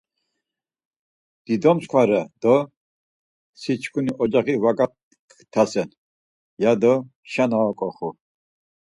Dido mskva re do si çkuni ocaği var gaktasen ya do şana oǩoxu.